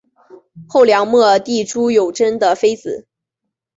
后梁末帝朱友贞的妃子。